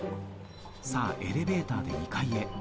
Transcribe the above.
さあエレベーターで２階へ。